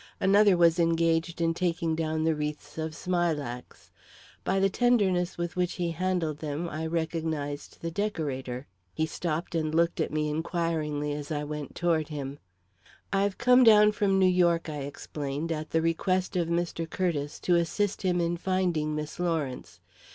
Another was engaged in taking down the wreaths of smilax. By the tenderness with which he handled them I recognised the decorator. He stopped and looked at me inquiringly as I went toward him. "I've come down from New York," I explained, "at the request of Mr. Curtiss to assist him in finding Miss Lawrence.